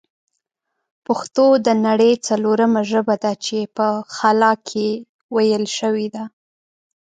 پښتو د نړۍ ځلورمه ژبه ده چې په خلا کښې ویل شوې ده